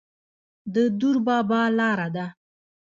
د دور بابا لاره ده